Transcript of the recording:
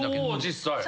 実際。